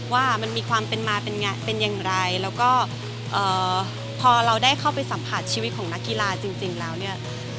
ว่ามันมีความเป็นมาเป็นอย่างไรแล้วก็พอเราได้เข้าไปสัมผัสชีวิตของนักกีฬาจริงแล้วเนี่ย